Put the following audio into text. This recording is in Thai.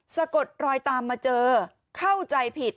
สะกดรอยตามมาเจอเข้าใจผิด